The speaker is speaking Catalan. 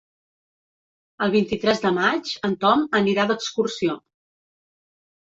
El vint-i-tres de maig en Tom anirà d'excursió.